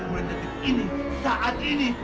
saya ingin mencari ini saat ini